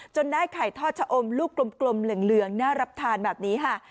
ได้ไข่ทอดชะอมลูกกลมเหลืองน่ารับทานแบบนี้ค่ะ